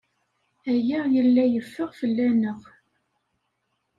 Aya yella yeffeɣ fell-aneɣ.